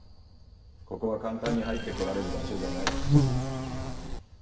ここは簡単に入ってこられる場所じゃない。